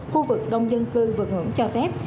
khu vực đông dân cư vượt ngưỡng cho phép